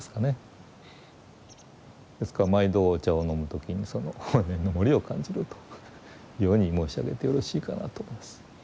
ですから毎度お茶を飲む時にその法然の森を感じるというように申し上げてよろしいかなと思います。